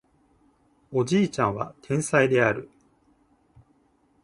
おじいちゃんは天才である